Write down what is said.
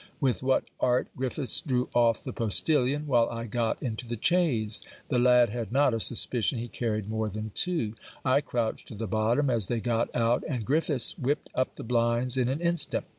With what art Griffiths drew off the postilion, while I got into the chaise! The lad had not a suspicion he carried more than two I crouched to the bottom, as they got out; and Griffiths whip'd up the blinds in an instant.